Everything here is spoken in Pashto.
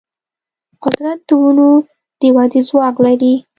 قدرت د ونو د ودې ځواک لري.